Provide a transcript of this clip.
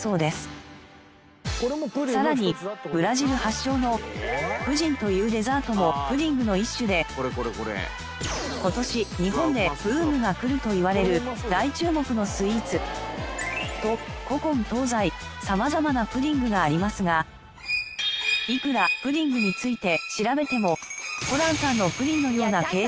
さらにブラジル発祥のプヂンというデザートもプディングの一種で今年日本でブームが来るといわれる大注目のスイーツ。と古今東西様々なプディングがありますがいくらプリンって。